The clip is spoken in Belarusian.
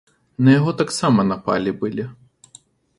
На яго таксама напалі былі.